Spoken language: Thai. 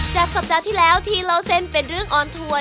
สัปดาห์ที่แล้วที่เล่าเส้นเป็นเรื่องออนทัวร์